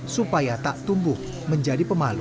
supaya tak tumbuh menjadi pemalu